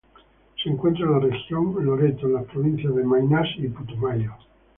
Se encuentra en la región Loreto, en las provincias de Maynas y Putumayo.